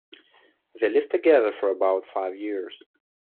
They lived together for about five years.